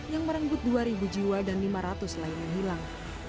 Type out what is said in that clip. seribu sembilan ratus sembilan puluh dua yang merangkut dua jiwa dan lima ratus lain yang hilang